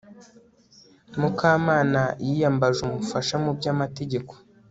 mukamana yiyambaje umufasha mu by'amategeko